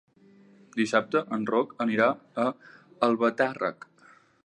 Dissabte en Roc anirà a Albatàrrec.